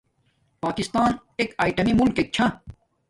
پاکستان ایک ایٹامی ملکک چھا